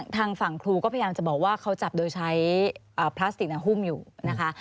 ทางฝั่งครูก็พยายามจะบอกว่าเขาจับโดยใช้พลาสติกหุ้มอยู่นะคะ